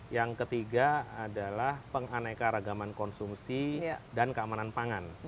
yang ketiga adalah penganeka ragaman konsumsi dan keamanan pangan